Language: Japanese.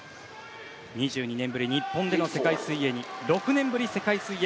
２２年ぶり、日本での世界水泳に６年ぶり世界水泳